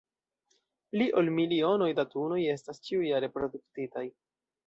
Pli ol milionoj da tunoj estas ĉiujare produktitaj.